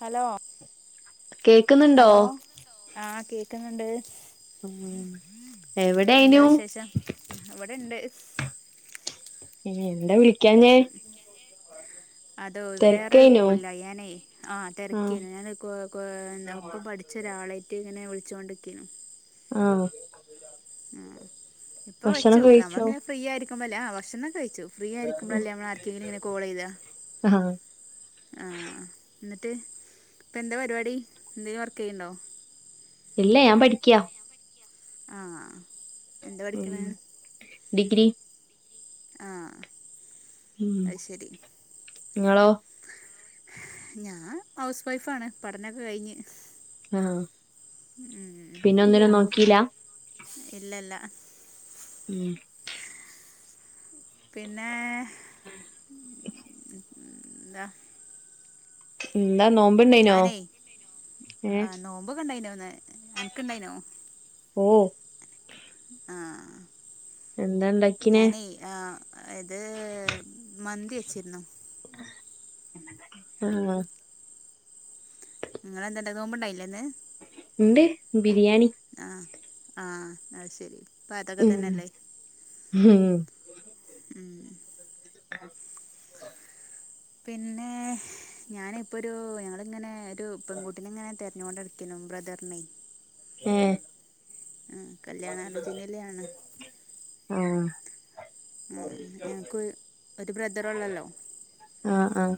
Hello കേക്കുന്നുണ്ടോ hello, ആഹ കേക്കുന്നുണ്ട് ഉം എന്താ എവിടെയ്നു വിശേഷം ഇവടെണ്ട്. എന്താ വിളിക്കാഞ്ഞേ അതോ വേറൊരു തെരക്കേയ്നോ കോളിലായി ഞാനേ ആ ആഹ് തിരക്കിന്ന് ഞാൻ കോ കോ ഒപ്പം പഠിച്ച് ഒരാളായിട്ട് ഇങ്ങനെ വിളിച്ചോണ്ടിക്കിനു ആഹ് ഇപ്പൊ ഭക്ഷണം വെച്ചു കഴിച്ചോ ഞമ്മളിങ്ങനെ ഫ്രീ ആയിരിക്കുമ്പോളല്ലേ ആ ഭക്ഷണം കഴിച്ചു ഫ്രീ ആയിരിക്കുമ്പോള്ളല്ലേ നമ്മള് ആർക്കെങ്കിലും ഇങ്ങനെ കോള് ചെയ്യാ ആഹ് ആ എന്നിട്ട് ഇപ്പം എന്താ പരിപാടി എന്തെങ്കിലും വർക്ക് ചെയ്യുണ്ടോ ഇല്ല ഞാൻ പഠിക്യാ [inaudible] എന്താ ഉം പഠിക്കണേ ഡിഗ്രി ആഹ് ഉം അത് ശരി ഇങ്ങളോ ഞാ ഹൗസ് വൈഫ് ആണ് പഠനൊക്കെ കഴിഞ്ഞ് ആ പിന്നെ ഒന്നിനും നോക്കിലാ ഇല്ലല്ല ഉം പിന്നെ ന്താ എന്താ നോമ്പ്ണ്ടേയ്നോ ഞാനേ ഏഹ് ആ നോമ്പൊക്കെ ഇണ്ടായിനോന് എനക്ക് ഇണ്ടായിനോ ഓ ആ [inaudible] ഞാനേയ് ആ ഇത് മന്തി വച്ചിരുന്നു [inaudible] ഇങ്ങളെന്തിണ്ടായി നോമ്പണ്ടായില്ലിന്ന് ഇണ്ട് ബിരിയാണി ആ അത്‌ ശരി ഇപ്പം അതൊക്കെ ഉം തന്നെയല്ലേ ഹും [inaudible] [inaudible] പിന്നെ ഞാനിപ്പൊ ഒരു ഞങ്ങളിങ്ങനെ ഒരു പെൺകുട്ടിനെ ഇങ്ങനെ തെര ഞ്ഞോണ്ടിരിക്കിനും ബ്രദർനേ [inaudible] ആ കല്യാണലോചനയിലാണ് [inaudible] ആ ഞങ്ങക്കോ ഒരു ബ്രദറോള്ളല്ലോ ആഹ് ആഹ്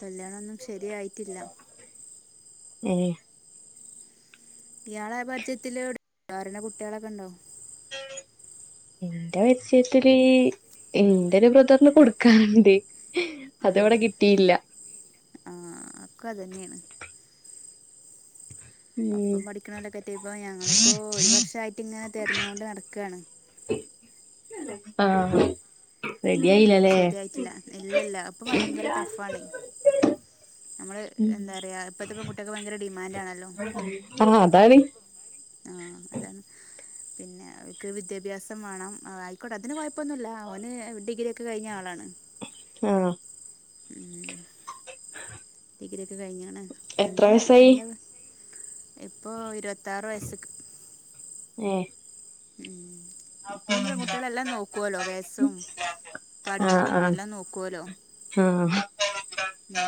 കല്യാണൊന്നും ശരിയായിട്ടില്ല [inaudible] ഇയാളാപാര്യാജയ്ത്തില് [unintelligible] കുട്ടികളൊക്കെ ഉണ്ടോ എന്റെ പരിജയത്തില് എന്റെ ഒരു ബ്രദറിന് കൊടുക്കാനുണ്ട് ആ അതവിടെ കിട്ടിയില്ല അക്കും തന്നെയാണ് ഉം ഒപ്പം പഠിക്കണോലേക്കെറ്റിയപ്പോ ഞങ്ങളിപ്പോ ഒരു വർഷ ആയിട്ട് ഇങ്ങ തെരഞ്ഞോണ്ട് നടക്കണ് ആഹ് റെഡി ഒന്നും ആയില്ലല്ലേ ശരിയായിട്ടില്ല ഇല്ല ഇല്ല അപ്പൊ ഭയങ്കര ടഫ് ആണ് ഞമ്മള് ഉം എന്താ പറയാ ഇപ്പയത്തെ പെൺകുട്ടികൾക്ക് ഭയര ഡിമാൻഡ് ആണ് ആ അതാണ് ആ അതാണ് പിന്നെ അവർക്ക് വിദ്യാഭ്യാസം വേണം ആയിക്കോട്ടെ അതിന് കൊയപ്പൊന്നൂല്ല ഓന് ഡിഗ്രി ഒക്കെ കഴിഞ്ഞ ആളാണ് ആഹ് ഉം ഡിഗ്രിക്കെ കഴിഞ്ഞാണ് എത്ര പിന്നെ വയസായി എന്താ ഇപ്പോൾ ഇരുപത്തി ത്താറവയസ്സിക് ഹ ഉം ഇപ്പൊ പെൺകുട്ടികളെല്ലാം നോക്കുവല്ലോ വയസ്സും ആഹ് പഠിപ്പും ആഹ് എല്ലാം നോക്കുവലോ ആഹ് ഉ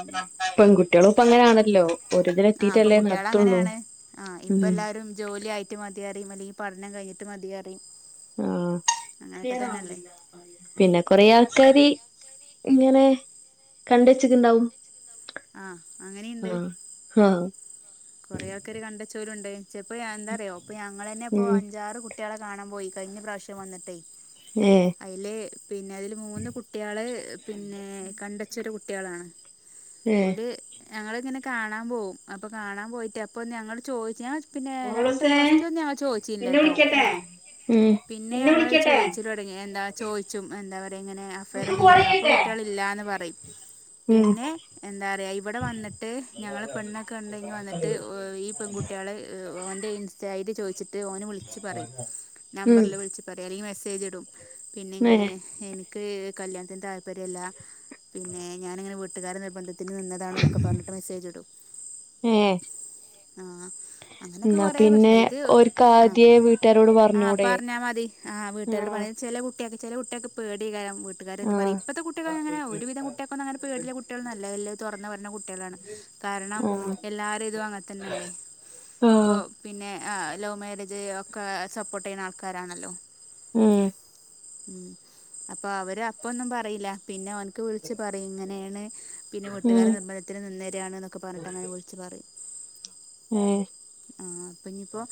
കുട്ടികളിപ്പ അങ്ങനൊണല്ലോ ആഹ അപ്പം കുട്ടികള അങ്ങനെയാണ് ആ ഇപ്പ ഉം എല്ലാരും ജോലിയ ആയിട്ട് മതിയ അതല്ല ഈ പഠനം കഴിട്ട് മതിയറി ആ പിന്നെ കൊറേ ആൾക്കാാര് ഇങ്ങനെ കണ്ട വെച്ചിട്ടുണ്ടാവും ആഹ് അങ്ങനെയുണ്ട് ആഹ് ആഹ് കൊറെേ ആൾക്കൊരു കണ്ട ചോലണ്ട്പ്പോ എന്താറയോ ഇപ്പൊ ഞങ്ങൾ തന്നെ ഇപ്പൊ ഉം അഞ്ചാറ് കുട്ടികളെ കാണാൻ പോയി കഴിഞ്ഞ പ്രാവശ്യം വന്നിട്ടേ ഏഹ് അതിലെ പിന്നെ അതില് മൂന്ന് കുട്ടികള് പിന്നെ കണ്ടച്ചരു കുട്ടികളാണ് ഏഹ് ഞങ്ങിങ്ങനെ കാണാൻ പോകും അപ്പ കാണ ഞൻ പോയിട്ട് അപ്പൊ ഞങ്ങള്ൾ ചോദിച്ച ഞാൻ പിന്നെ രണ്ട് മോളൂസേ വസ്തു ഒന്നും ഞങ്ങൾ നിന്നെ ചോദിച്ചിില്ലേട്ടോ വിളിക്കട്ടെ ഉം പിന്നെ നിന്നെ ഞങ്ങള്ൾ വിളിക്കട്ടെ ചോദിച്ച തുടങ്ങി എന്താ ചോദിച്ചും എന്താ പറ ഇങ്ങനെ അഫയർ നിനക്ക് എന്തെലും കോള് ഉണ്ടോ അപ്പൊ ചെയ്യട്ടെ കുട്ടികൾ ഇല്ല എന്ന് പറയും ഉം പിന്നെ എന്താ പറയാ ഇവിടെ വന്നിട്ട് ഞങ്ങള് പെണ്ണൊക്കെ ഉണ്ട വന്നിട്ട് ട്ട് ഈ പെൺകുട്ടികളെ ഓന്റെ ഇൻസ്റ്റായി് ചോദിച്ചിട്ട് ഓന വിളിച്ച് പറയും നമ്പറിൽ ഉം വിളിച്ച് പറയാ അല്ലെങ്കിൽ മെസ്സേജ് ഇടും പിന്നെ ഏ ഇങ്ങനെ എനിക്ക് ക്ക് കല്യാണത്തിൻ്റെ താല്പര്യമല്ല പിന്നെ ഞാനിങ്ങനെ വീട്ടുകാര നിർബന്ധി ന് നിന്നതാണെന്നൊക്കെ പറഞ്ഞിട്ട് മെസ്സേജ് ഇടും ഏ ആഹ അങ്ങനെയൊക്കെ എന്നാ കൊറെ പ്രശണം പിന്നെ ഇത് ഓര്ക്ക് ആ ആദ്യേ വീട്ടുകാരോട് ആഹ പറഞ്ഞൂടെ പറഞ്ഞാൽ മതി ആ വീട്ടുകോട് ആഹ് പറയുന്നത് ച കുട്ടിയൊെ ചില കുട്ടിയൊെ പേടികരം വീട്ടുകാരെ എന്ത് പറയാ ആഹ് ഇപ്പത്തെ കുട്ടികൾള അങ്ങനെ ഒരുവിധം കുട്ടികൾക്കൊന്നും അനെ പേടില കുട്ടികൾ നല്ല തുറന്ന് പറഞ്ഞ കുട്ടികളാണ് കാരണം ആഹ് എല്ലാരും ഇത് അങ്ങത്തന്നെയല്ലേ ഇപ്പൊ ആഹ് പിന്നെ ആ ലവ് മാരേജ് ഒക്കെ സപ്പോർട്ട് ചെയ്യുന്ന ആൾക്കാരാണല്ലോ ഉം ഉം അപ്പൊ അവര് അപ്പൊന്നും പറയില്ല പിന്നെ അവനക്ക് വിളിച്ചച്ച് പറയും ഇങ്ങനെയാണ് പിന്നെ വീട്ടുകാല ഉം നിർബന്ധത്തിന് നിന്നേരയാണ് എന്നൊക്കെ പറഞ്ഞിട്ട് അങ്ങനെ വിളിച്ചച്ച് പറയും ഉം പഞ്ഞിപ്പോ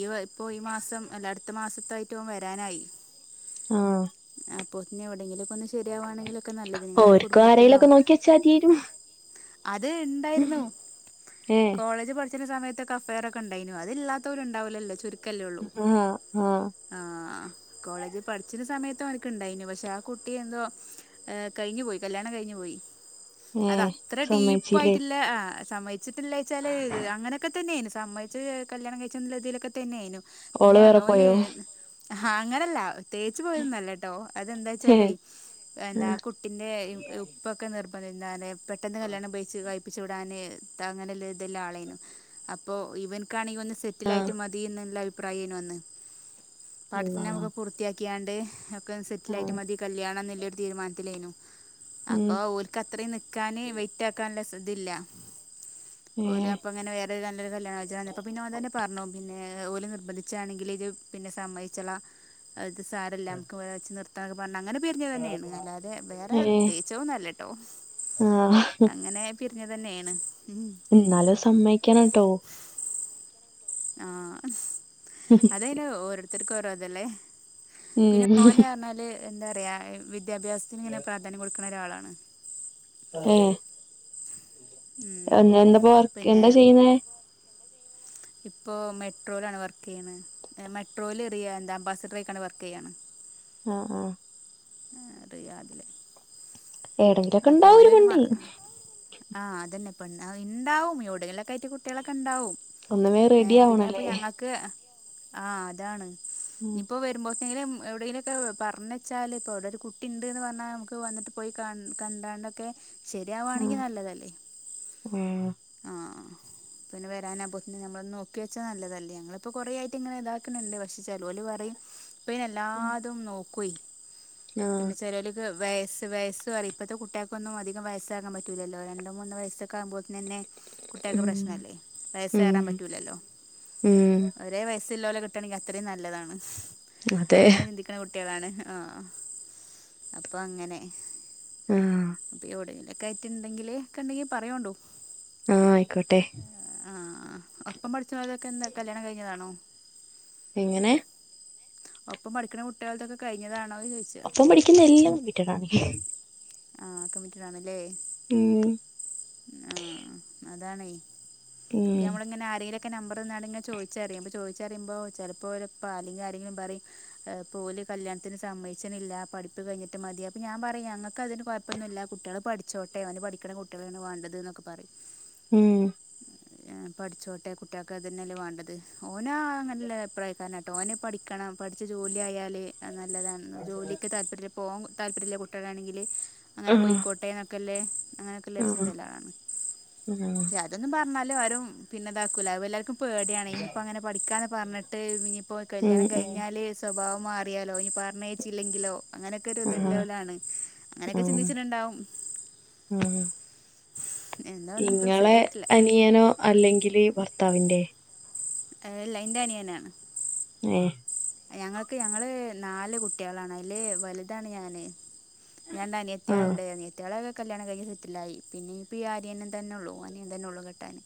ഈവ ഇപ്പോൾ ഈ മാസം അല്ല അടുത്ത മാസത്തായിറ്റവും വരാനായി ആഹ പൊന്നെ എവിടെങ്കിലും ഓർക്കും കുടുംബത്തിലോ ആരെങ്കിലൊക്കെ നോക്കി വച്ചാതിും അത് ഉണ്ടായിരുന്നു ഏ കോളേജ് പഠ ച സമയത്ത്ക്കെ അയൊക്ക ഉണ്ടായിു അത്ല്ലാത്തവരുണ്ടാവില്ലോല്ലോ ച ആഹ ആഹ കോളേജിൽ പഠിച്ചുന്ന സമയത്തും എനക്ക് ഇണ്ടായിരുന്നു പക്ഷെ ആ കുട്ടിയെ എന്തോ കഴിഞ്ഞു പോയി കല്യാണം കഴിഞ്ഞു പോയി അത് ഉം അത്ര ടീപ്പ് ആയിട്ടില്ല ആ സമ്മഹച്ചിട്ടില്ല വച്ചാല് അങ്ങനെയൊക്കെ തന്നെയുംമ്മധച്ച് കല്യാണം കഴിച്ച ന രതിലൊക്കെ തന്നെയയിും ഓള് വേറെ പോയോ ആഹ അങ്ങനെയല്ല പ്രത്യേകിച്ച് പോയതന്നല്ല കേട്ടോ അതെന്താ ഏ വെച്ചാലേ എന്താ കുട്ടിന്റെ ഉപ്പൊക്കെ നിർ അന്നെ പെട്ടെന്ന് കല്ണം ബേിച്ച് ക ച്ച് വിടാന് അങ്ങനുള്ള ഇതെല്ലാം ആളേനും അപ്പോ ഇവനക്കാണെങ്ക ഒന്ന് സെറ്റില ആയിട്ട് മതിന്ന് ല്ല അഭിപ്രായേനു അന്ന് അള്ളാ പാഠന അവ്ടെ പൂർത്തിയാക്കിയാണ്ട് ഒക്കെ സെറ്റിൽ ആയിട്ട് ആഹ് മതി കല്യാണം ല്ലൊരു തീരുമാനത്തിലായിനു ഉം അപ്പൊഓൽക്കത്രയും നിക്കാന് വൈറ്റ് ആക്കാനുള്ളതില്ല ഏ ഓല് അപ്പൊ അങ്ങനെ വേറെ നല്ലൊരു കല്യാണജന അപ്പ പിന്നെ ഓൻ തന്നെ പറഞ്ഞു പിന്നെ ഓല് നിർബന്ധിച്ചാണെങ്കിൽ ഇത് പിന്നെ സമ്മതിച്ചള അത് സാരല്ലാ നമുക്ക് വ വച്ച് നിർത് [unintelligible] പറഞ്ഞ അങ്ങനെ പെരിഞ്ഞത്ന്നെയാണ് അല്ലാതെ വേറെ ഏ തേച്ചതൊന്നല്ലട്ടോ ആഹ് അങ്ങനെ പിരിഞ്ഞതന്നെണ് ന്നാലും സമ്മയിക്കനട്ടോ ആഹ് അതെന ഓരോര്ത്തർക്ക് ഓരോതല്ലേ പിന്നെ ഉം ഓന് അർഞ്ഞാല് എന്താറയാ വിദ്യാഭ്യാസത്തിന് ഇങ്ങനെ പ്രാധാന്യം കൊടുക്കുന്ന ഒരാളാണ് അഹ് ഏ ഉം എന്താപ്പ വർക്ക് എന്താ ചെയ്യുന്നേ? ഇപ്പൊ മെട്രോയിലാണ് വർക്ക്യ്യണെ ഏ മെട്രോൽ എറിയ എന്താ അംബാസിഡറേക്കാണ് വർക്ക്യ്യാണ് ആഹ് ആഹ് ഏഹ് റിയാദില് അപ്പൊ ഏടെങ്കിലൊക്കെണ്ടാവും ഒരു ഓനൊരു പെണ്ണ് ഇപ്പ ഇണ്ടാവും എവിടലൊക്കെ ആയിട്ട കുട്ടികളൊക്കെണ്ടാവും ഒന്ന് വേ റെഡി ആവണല്ലേ? ആഹ് അതാണ് ആ ഇനിപ്പോ വെരുമ്പോ എങ്കിലും എവിടെങ്കിലുംക്കെ പറഞ്ഞച്ചാല് ഇപ്പോ അവിടെ ഒരു കുട്ടിണ്ട്ന്ന് പറഞ്ഞാ അമുക്ക് വന്നിട്ട് കാണം കണ്ടാണ്ടൊക്കെ ശരിയാവാണെങ്കിൽ നല്ലതല്ലേ? ആ ആഹ് ആഹ് പിന്നെ വെരാൻ ആവുബോതിന് ഞമ്മള് നോക്കി വെച്ചാ നല്ലതല്ലേ ഞങ്ങളിപ്പോ കൊറേയിട്ട് ഇങ്ങനെ ഇതാക്ക്ണ്ണ്ട് പക്ഷേ ചെലോല് ഇപ്പഅയ്ന് എല്ലാതും നോക്ക്വ് ആ പിന്നെ ചെലോല് വെയസ് വെയസ് പറി ഇപ്പോത്തെ കുട്ടിയേൾകൊന്നും അതികം വയസ്സകാൻ പറ്റുലല്ലോ രണ്ട് മൂന്ന് വയസ്സക്കെ ആകുമ്പോതന്നെ കുട്ടിയേക്ക് ഉം പ്രശ്നല്ലേ വയസ്സ ഉം ഏറാൻ പറ്റൂലല്ലോ ഉം ഒരേ വയസ് ല്ലോലെ കിട്ടണെങ്കിൽ അത്രയും നല്ലതാണ് അതെ അങ്ങനെ ചിന്തിക്ണ കുട്ടിയേളാണ് ആഹ് അപ്പൊ അങ്ങനെ ആ അപ്പവിടെ ഒക്കെ ആയിറ്റ്ണ്ടെങ്കിൽ ഒക്കെണ്ടെങ്കിൽ പറയോണ്ടു ആ ആയിക്കോട്ടെ ആഹ് ഒപ്പം പഠിച്ചനോൾതൊക്കെ എന്താ കല്യാണം കഴിഞ്ഞതാണോ? എങ്ങനെ? ഒപ്പൊ പഠിക്ണ കുട്ടികളത്തൊക്കെ കഴിഞ്ഞതാ അപ്പം പഠിക്കുന്ന എല്ലാം ട്ടിടാണ് ആഹ കമ്മിറ്റിടണല്ലേ.......... ഉം........... ആഹ അതാണ ഉം ഇപ്പ നമ്മള ആരങ്കി നമ്പർ ചോദിച്ചറിയും ചോിച്ചിയുമ്പോ ചലപ് ഇപ്പ ആരങ്കിലാണെങ്കിലും പറയുംഓല് കല്യാത്തിന് സമ്മയച്ചനില്ല പഠപ്പ് കഴിഞ്ഞിട്ട് മതി അപ്പ ഞൻ പറയും ഞങ്ങക്ക് അതിന് കൊഴപ്പൊന്നും ഇില്ല കുട്ടികൾ പഠിച്ചോ. [unintelligible] അവന് പഠിക്കണ കുട്ടികളേണ് വാണ്ടത് എന്നൊക്കെ പറയും ഉം ഏഹ് പഠിച്ചോട്ടെ കുട്ട്യൾക്ക് അതെന്നെല്ലേ വേണ്ടത് ഓന നല്ല അഭിപ്രായക്കാരനാട്ടോ ഓന് പഠിക്കണം ആഹ് പഠിച്ച് ജോലിയായാല് നല്ലതാണ് ജോലിക്ക് താല്പര്യ പോവാൻ താല്പര്യള്ള കുട്ട്യളാണെങ്കില് ആ അങ്ങനെ പൊയ്ക്കോട്ടെ എന്നൊക്കെ അല്ലേ അങ്ങനെയൊക്ക്ള്ള ആ ഒരു ചിന്ത ഉള്ള ആളാണ് ആ ക്ഷേ അതൊന്നും പറ എന്നാലും ആരും പിന്നെതാക്കൂല അവ എല്ലാരക്കും പേടിയാണ് ഇനിയിപ്പോൾ അങ്ങനെ പഠിക്കാ എന്ന് പറഞ്ഞിട്ട് ഇനിയിപ്പോൾ ഉം കല്യാണം ഉം കഴിഞ്ഞാല് സ്വഭാവം. മാറിയാലോ ഇനി പറഞ്ഞയച്ചില്ലെങ്കിലോ അങ്ങനെയൊക്കെ ഒരു ആ ഇതില്ലോലാണ് ആ ആ അങ്ങനെയൊക്കെ ചിന്തിച്ചിട്ടുണ്ടാവും എന്താ ഒന്നും ഇപ്പം ഇങ്ങളെ ശരിയായിട്ടില്ല അനിയനോ അല്ലെങ്കില് ഭർത്താവിന്റെ അതല്ല എന്റെ അനിയനാ ഏ ഞങ്ങൾക്ക് ഞങ്ങള് നാല് കുട്ടികളാണ് അയില് വലുതാണ് ഞാന്- രണ്ട് ആഹ് അനിയത്തികയാളുണ്ട് അനിയ - കല്യാണ കഴിഞ്ഞ് സെറ്റിലായി പിന്നെ ഈ ഇപ്പൊ അരിയാൻ തന്നെ ഉള്ളൂ അനിയൻ തന്നെ ഉള്ളൂ കെട്ടാൻ-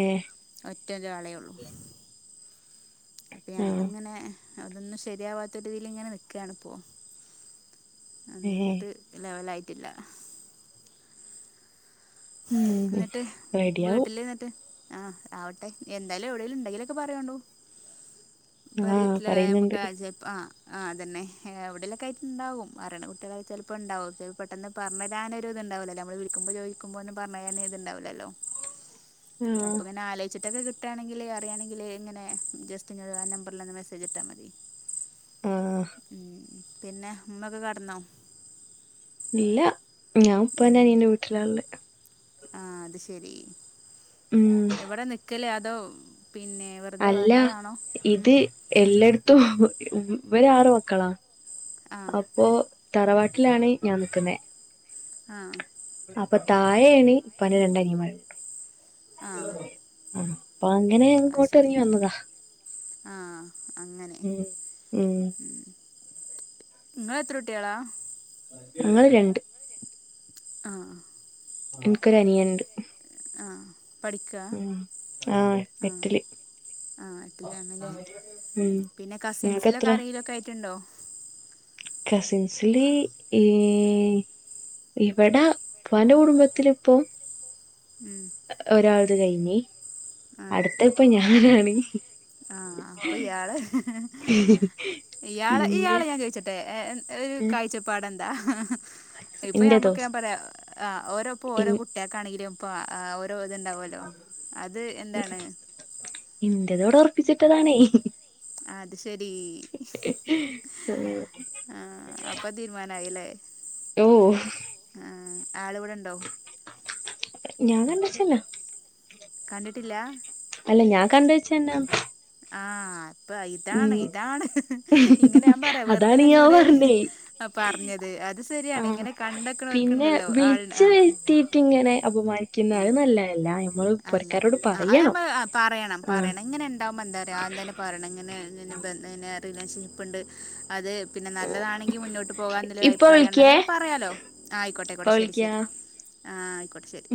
ഏയ ഒറ്റ ഒരാളെ ഉള്ളൂ അപ്പം ആഹ് ഞങ്ങളിങ്ങനെ അതൊന്നും ശരിയാവാത്ത രീതിൽ ഇങ്ങനെ നിൽക്കയാണിപ്പോ ഒന്നും ഏഹ് ഇങ്ങോട്ട് ലെവലായിട്ടില്ല ഉം എന്നിട്ട് റെഡിയാവു വീട്ടിൽ എന്നിട്ട് ആ ആവട്ടെ എന്തായാലും എവിടെേങ്കലും ഉണ്ടെങ്കിലോക്കെ പറയയു വേണ്ടു ആഹ് പരിചായത്തിലെ പറയുന്നുണ്ട് എമക്ക [unintelligible] ജപ്പ ആ ആതന്നെ എവിടെലൊക്കെ ആയിട്ടുണ്ടാവും മരണ വീട്ടിലൊക്കെ ചെലപ്പോ ഉണ്ടാവും പെട്ടെന്ന് പറഞ്ഞു തരാൻ ഒരു ഇത് - ന വിളിക്കുമ്പോ ചോയിക്കുമ്പോ ഒന്നും പറഞ് അങ്ങനെ ഇത് ഇണ്ടാവില്ലല്ലോ അപ്പ ആഹ് പിന്നെ ആലോചി - ചിറ്റൊക്കെ കിട്ടുയാണെങ്കിൽ അറിയാണെങ്കിൽ ഇങ്ങനെ ജസ്റ്റ് നിങ്ങള് ആ നമ്പറിലൊന്ന് മെസ്സേജ് ഇട്ടാൽ മതി ആഹ് ഉം പിന്നെ ഉമ്മയൊക്കെ കെടന്നോ ഇല്ല ഞാൻ ഇപ്പ എന്റെ അനീയന്റെ വീട്ടിലായൊള്ളെ ആഹ് അത് ശെരി ഉം എവിടെ നിക്കല് അതോ പിന്നെ വെറുതെ അല്ല വന്നതാണോ ഉം. ഇത് എല്ലായിടത്തും ഇവന് ആറ് മക്കളാ ആ അപ്പോ തറവാട്ടിലാണ് ഞാൻ നിക്കുന്നേ ആഹ് അപ്പോ താഴെയാണ് ഉപ്പാന്റെ രണ്ട് അനിയമാരു ആഹ് അപ്പ അങ്ങനെ ഇങ്ങോട്ട് എറങ്ങി വന്നതാ ആഹ് അങ്ങനെ ഉം ഉം നിങ്ങളെത്ര കുട്ടികളാ ഞങ്ങള് രണ്ട് ആഹ് എൻക്കൊര അനിയണ്ട് ആ പഠിക്കുക ഉം ആഹ് എട്ടില് ആഹ് എട്ടിലാണല്ലേ ഉം പിന്നെ കസിൻസിലൊക്കെ ആരെങ്കിലൊക്കെ ആയിട്ടുണ്ടോ കസിൻസിലി ഈഹ് ഇവടാ ഉപ്പാന്റെ കുടുംബത്തിലിപ്പോം ഉം. ഒരാളത് കഴിഞ്ഞി ആ അടുത്ത ഇപ്പ ഞാനാണ് ആഹ് അപ്പോ ഇയാള് ഇയാള് പിന്നെ ഇയാളെ ഞാൻ ചോയിച്ചോട്ടെ ഒരു കാഴ്ച്ചപ്പാട് എ ന്താ ഇപ്പോ ഇന്റതോ ഞമ്മക്ക് ഞാൻ പറയാ ഓരോപ്പോ ഓരോ ഇൻ- കുട്ടികക്കാണെങ്കിലും ഇപ്പോ ഓരോ ഇത്ണ്ടാവുവല്ലോ അത് എന്താണ്? പ്പിച്ചിട്ടതാണേ അത് ശെരി ആഹ് അപ്പോ തീരുമാനായില്ലേ ഓഹ് ആഹ് ആള് വിടെണ്ടോ ഞാൻ കണ്ടിട്ടില്ല കണ്ടിട്ടില്ല ഞാൻ കണ്ട് വെച്ചന്നാ ആഹ് ഇപ്പ ഇതാണ് ഇതാണ് ഇങ്ങനെ ഞാൻ പറയാ അതാണ് വെറുതെല്ല ഇന്നോട് അ പറഞ്ഞത്. അത് ശരിയാണ് ആഹ് ഇങ്ങനെ പിന്നെ കണ്ടക്കണോർക്കുണ്ടല്ലോ ആൾ വിളിച് ആഹ് വരിത്തീട്ട് ങ്ങനെ അപമാനി ക്കുന്നഹ് അഹ് നല്ലേല്ല അല്ല അഹ് അഹ് അമ്മഹ് അ പറയണം ആ പറയണം. ഇങ്ങനെ ഉണ്ടാവുമ്പോ എന്താആദ്യംതന്നെ പറയണം ങ്ങനെ പിന്നന്നെ പെണ്ണേന്നെ റിലേൻഷിപ്ണ്ട് അത് പിന്നെ നല്ലതാണെങ്കിൽ മുന്നോട്ട് പോകാ എന്നുള്ളൊരു ഇപ്പൊ വിളിക്കേ അഭിപ്രായംമാണെന്നൊക്കെ പറയാലോ ആയിക്കോട്ടെ ഇപ്പൊ ആയിക്കോട്ടെ ശരി ശരി വിളിക്കാം ആ ആയിക്കോട്ടെ ശരി